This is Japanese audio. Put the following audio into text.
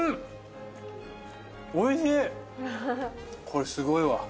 これすごいわ。